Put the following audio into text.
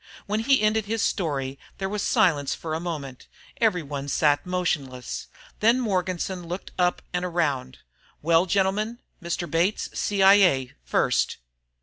When he ended his story, there was silence for a moment. Everyone sat motionless. Then Morganson looked up and around. "Well gentlemen? Mr. Bates, C.I.A. first."